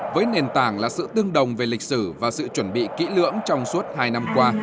với nền tảng là sự tương đồng về lịch sử và sự chuẩn bị kỹ lưỡng trong suốt hai năm qua